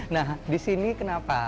nah di sini kenapa